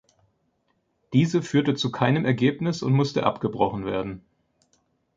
Diese führte zu keinem Ergebnis und musste abgebrochen werden.